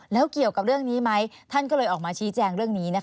แล้วเกี่ยวกับเรื่องนี้ไหมท่านก็เลยออกมาชี้แจงเรื่องนี้นะคะ